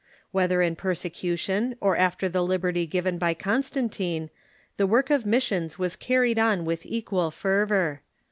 Whether in persecution, or after the liberty given by .. Constantine, the work of missions was carried on Evangelization with equal fervor.